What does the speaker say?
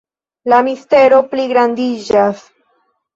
La mistero pligrandiĝas.